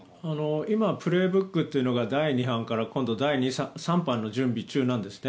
今「プレーブック」というのが第２版から今度は第３版の準備中なんですね。